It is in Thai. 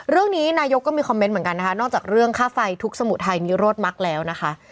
เรื่องนี้นายกก็มีคอมเมนต์เหมือนกันนะคะนอกจากเรื่องค่าไฟทุกสมุดไทยมีรถมักแล้วนะคะ